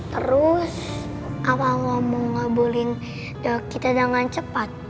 terus apakah mau ngabulin doa kita dengan cepat